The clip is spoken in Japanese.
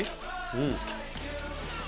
うん。